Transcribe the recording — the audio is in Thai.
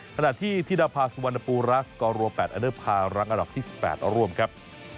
ขณะที่ธิดาภาสุวรรณปูรัสกอร์รวม๘อันเดอร์พารังอันดับที่๑๘ร่วมครับ